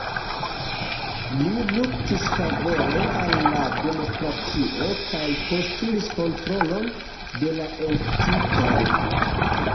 Li luktis favore al la demokratio kaj postulis kontrolon de la elektitoj.